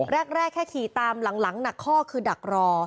แรกแค่ขี่ตามหลังหนักข้อคือดักรอ